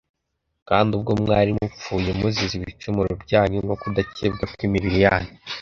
Kandi ubwo mwari mupfuye muzize ibicumuro byanyu no kudakebwa kw’imibiri yanyu